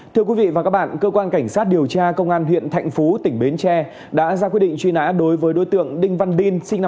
thưa quý vị và các bạn cơ quan cảnh sát điều tra công an huyện thạnh phú tỉnh bến tre đã ra quyết định truy nã đối với đối tượng đinh văn đi sinh năm một nghìn chín trăm tám